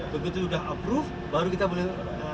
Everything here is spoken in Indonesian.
begitu sudah approved baru kita boleh lagi jalan